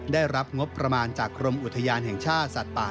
ได้รับงบประมาณจากกรมอุทยานแห่งชาติสัตว์ป่า